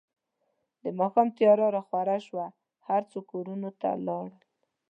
د ماښام تیاره راخوره شوه، هر څوک کورونو ته لاړل.